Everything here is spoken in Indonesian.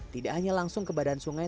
tidak hanya langsung ke badan sungai